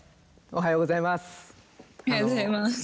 おはようございます。